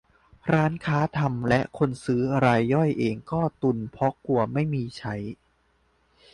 ร้านค้าทำ และคนซื้อรายย่อยเองก็ตุนเพราะกลัวไม่มีใช้